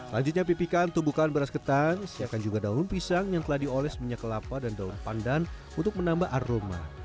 selanjutnya pipikan tubukan beras ketan siapkan juga daun pisang yang telah dioles minyak kelapa dan daun pandan untuk menambah aroma